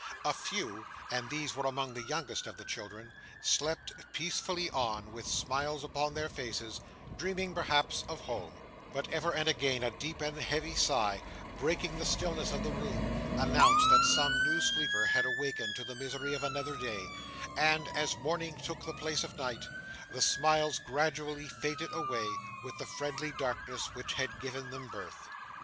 A few and these were among the youngest of the children slept peacefully on, with smiles upon their faces, dreaming perhaps of home; but ever and again a deep and heavy sigh, breaking the stillness of the room, announced that some new sleeper had awakened to the misery of another day; and, as morning took the place of night, the smiles gradually faded away, with the friendly darkness which had given them birth.